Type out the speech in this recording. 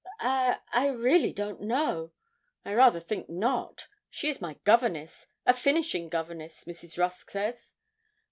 'I I really don't know; I rather think not. She is my governess a finishing governess, Mrs. Rusk says.'